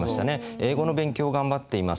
「英語の勉強をがんばっています。」